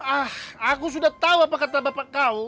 ah aku sudah tahu apa kata bapak kau